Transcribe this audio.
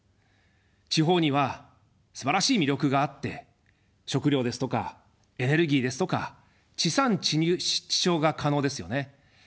地方にはすばらしい魅力があって食料ですとかエネルギーですとか地産地消が可能ですよね。